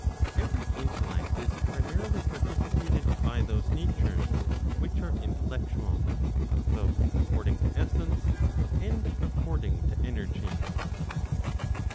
Every intellect is primarily participated by those natures which are intellectual, both according to essence, and according to energy.